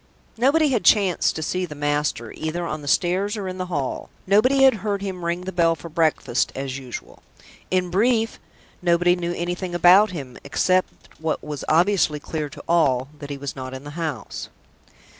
Nobody had chanced to see the master, either on the stairs or in the hall; nobody had heard him ring the bell for breakfast, as usual. In brief, nobody knew anything about him, except what was obviously clear to all that he was not in the house.